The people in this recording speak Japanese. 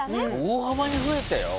大幅に増えたよ。